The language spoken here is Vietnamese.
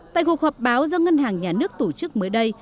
tại cuộc họp báo do ngân hàng nhà nước tổ chức mới đây